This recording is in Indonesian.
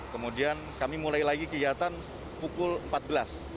kemudian kami mulai lagi kegiatan pukul empat belas